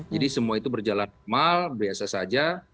jadi semua itu berjalan normal biasa saja